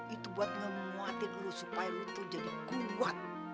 itu buat ngemuatin lo supaya lo tuh jadi kuat